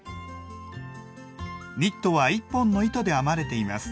ニットは１本の糸で編まれています。